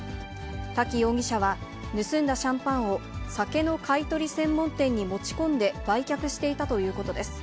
滝容疑者は、盗んだシャンパンを酒の買い取り専門店に持ち込んで売却していたということです。